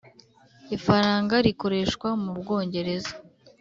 ifaranga rikoreshwa mu Bwongereza